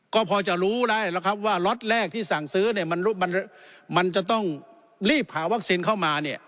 ก็พอจะรู้แล้วครับว่าล็อตแรกที่สั่งซื้อเนี่ยมันจะต้องรีบหาวัคซีนเข้ามาเนี่ย